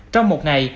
trong một ngày